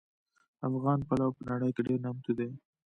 افغان پلو په نړۍ کې ډېر نامتو دي